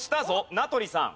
名取さん。